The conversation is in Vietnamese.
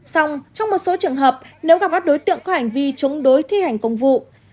xong trong một số trường hợp nếu gặp các đối tượng có hành vi chống đối thi hành công vụ